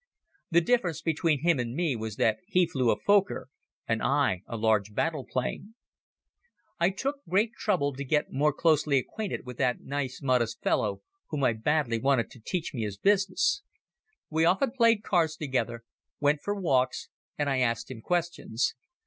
The difference between him and me was that he flew a Fokker and I a large battle plane. I took great trouble to get more closely acquainted with that nice modest fellow whom I badly wanted to teach me his business. We often played cards together, went for walks and I asked him questions.